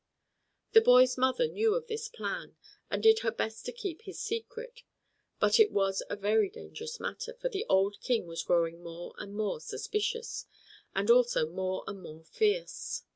The boy's mother knew of this plan, and did her best to keep his secret; but it was a very dangerous matter, for the old King was growing more and more suspicious, and also more and more fierce.